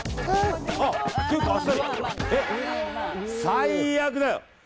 最悪だよ！